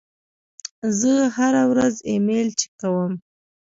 زه هره ورځ ایمیل چک کوم.